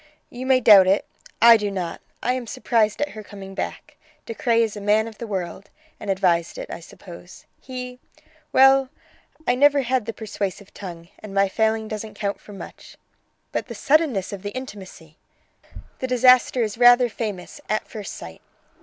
"You may doubt it; I do not. I am surprised at her coming back. De Craye is a man of the world, and advised it, I suppose. He well, I never had the persuasive tongue, and my failing doesn't count for much." "But the suddenness of the intimacy!" "The disaster is rather famous 'at first sight'.